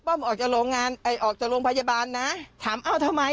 ออกจากโรงงานเอ่อออกจากโรงพยาบาลนะถามเอ้าทำไม